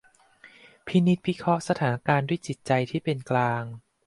พินิจพิเคราะห์สถานการณ์ด้วยจิตใจที่เป็นกลาง